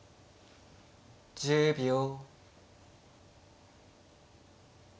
１０秒。